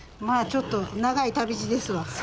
まあちょっと長い旅路ですわ。